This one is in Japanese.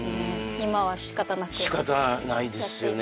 今は仕方なく仕方ないですよね